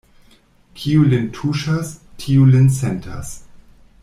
Kiu lin tuŝas, tiu lin sentas.